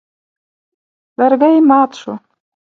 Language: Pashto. لرګی مات شو.